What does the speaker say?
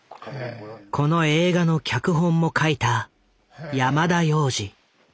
この映画の脚本も書いた山田洋次。